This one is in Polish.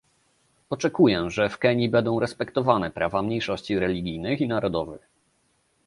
Oczekuję, że w Kenii będą respektowane prawa mniejszości religijnych i narodowych